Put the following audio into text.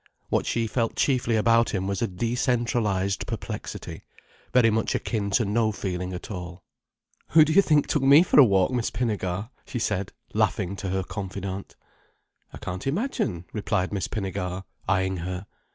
What she felt chiefly about him was a decentralized perplexity, very much akin to no feeling at all. "Who do you think took me for a walk, Miss Pinnegar?" she said, laughing, to her confidante. "I can't imagine," replied Miss Pinnegar, eyeing her.